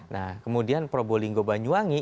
nah kemudian probolinggo banyuwangi